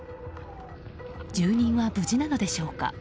住人は無事なのでしょうか。